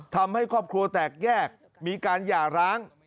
ทำให้ครอบครัวแตกแยกมีการหย่าร้าง